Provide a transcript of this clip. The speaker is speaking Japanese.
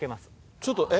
ちょっと、えっ？